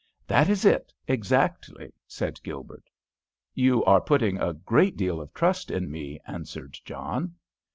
"That is it, exactly," said Gilbert. "You are putting a good deal of trust in me," answered John.